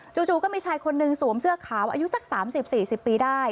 จู่จู่ก็มีชายคนนึงสวมเสื้อขาวอายุสักสามสิบสี่สิบปีได้